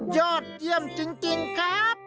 ยอดเยี่ยมจริงครับ